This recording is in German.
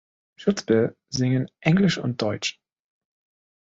Chuzpe singen Englisch und Deutsch.